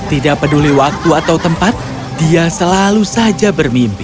tidak peduli waktu atau tempat dia selalu saja bermimpi